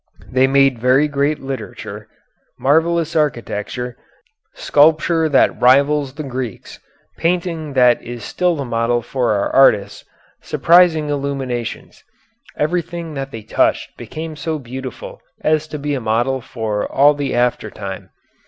They made very great literature, marvellous architecture, sculpture that rivals the Greeks', painting that is still the model for our artists, surpassing illuminations; everything that they touched became so beautiful as to be a model for all the after time.